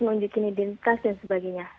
menunjukkan identitas dan sebagainya